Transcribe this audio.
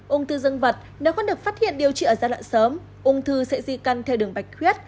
ung thư dương vật nếu không được phát hiện điều trị ở giai đoạn sớm ung thư sẽ di căn theo đường bạch khuyết